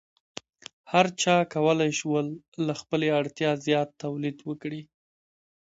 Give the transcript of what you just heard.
هر چا کولی شو له خپلې اړتیا زیات تولید وکړي.